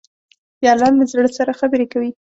پیاله له زړه سره خبرې کوي.